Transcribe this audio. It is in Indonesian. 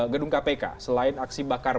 gedung kpk selain aksi bakar